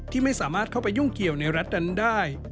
ที่ไม่สามารถเข้าไปยุ่งเกี่ยวในรัฐนั้นได้